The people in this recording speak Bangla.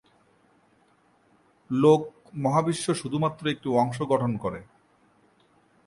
লোক মহাবিশ্ব শুধুমাত্র একটি অংশ গঠন করে।